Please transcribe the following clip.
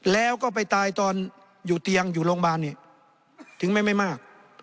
แล้วก็ไปตายตอนอยู่เตียงอยู่โรงพยาบาลเนี่ยถึงไม่มาก